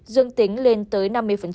dương tính lên tới năm mươi